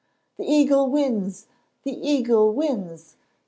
"The Eagle wins!—the Eagle wins!